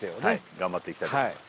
頑張っていきたいと思います。